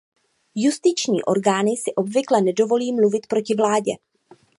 Justiční orgány si obvykle nedovolí mluvit proti vládě.